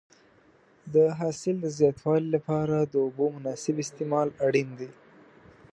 د حاصل د زیاتوالي لپاره د اوبو مناسب استعمال اړین دی.